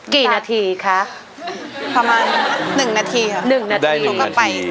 กี่นาทีคะประมาณหนึ่งนาทีค่ะหนึ่งนาทีได้หนึ่งนาที